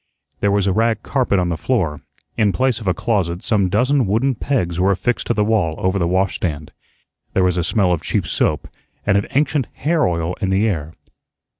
There was a rag carpet on the floor. In place of a closet some dozen wooden pegs were affixed to the wall over the washstand. There was a smell of cheap soap and of ancient hair oil in the air.